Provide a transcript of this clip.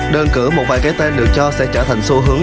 đơn cử một vài cái tên được cho sẽ trở thành xu hướng